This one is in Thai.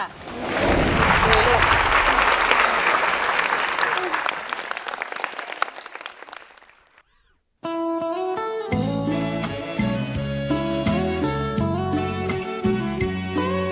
ครับ